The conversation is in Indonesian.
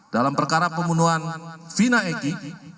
dalam perkara pembunuhan vina egy